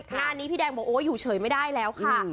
งานนี้พี่แดงบอกโอ้อยู่เฉยไม่ได้แล้วค่ะ